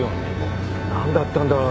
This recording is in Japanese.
何だったんだろう？